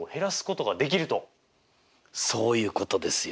そういうことですよ！